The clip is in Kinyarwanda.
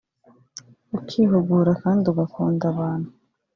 ukihugura kandi ugakunda abantu